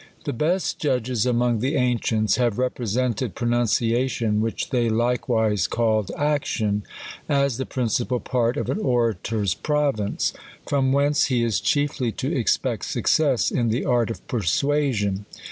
THE best judges among the ancients have repre sented Pronunciation, which they likewise called Action, as the principal part of an orator's province ; from whence he is chiefly to expect success in the art of persuasion.